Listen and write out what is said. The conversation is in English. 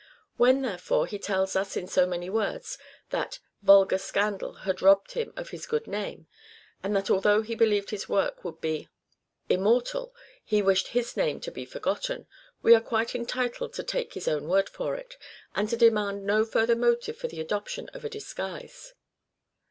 When, therefore, he tells us, in so many words, that " vulgar scandal " had robbed him of his good name, and that although he believed his work would be RECORDS OF EDWARD DE VERE 213 immortal he wished his name to be forgotten, we are quite entitled to take his own ;word for it, and to demand no further motive for the adoption of a disguise.